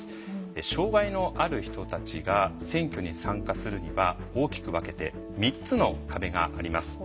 障害のある人たちが選挙に参加するには大きく分けて３つの壁があります。